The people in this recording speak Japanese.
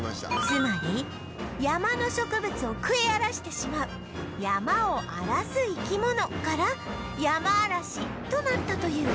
つまり山の植物を食い荒らしてしまう「山を荒らす生き物」から「ヤマアラシ」となったという